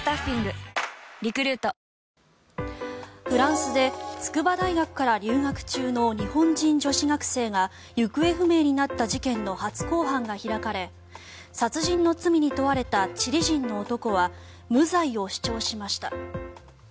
フランスで筑波大学から留学中の日本人女子学生が行方不明になった事件の初公判が開かれ殺人の罪に問われたチリ人の男は無罪を主張しました。